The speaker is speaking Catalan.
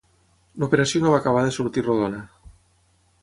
L'operació no va acabar de sortir rodona.